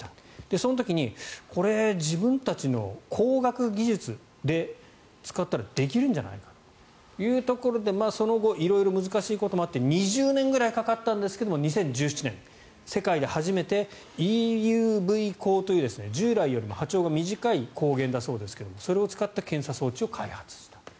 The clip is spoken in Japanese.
その時に、これ自分たちの光学技術を使ったらできるんじゃないかというところでその後、色々難しいこともあって２０年ぐらいかかったんですが２０１７年世界で初めてＥＵＶ光という従来よりも波長が短い光源だそうですがそれを使って検査装置を開発した。